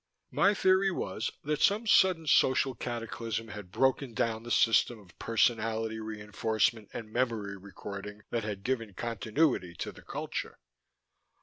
My theory was that some sudden social cataclysm had broken down the system of personality reinforcement and memory recording that had given continuity to the culture.